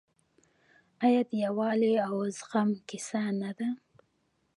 آیا د یووالي او زغم کیسه نه ده؟